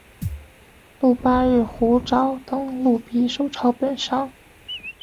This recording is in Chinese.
鹿八日虎爪等鹿皮手抄本上。